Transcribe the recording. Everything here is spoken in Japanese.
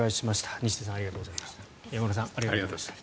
西出さん、山村さんありがとうございました。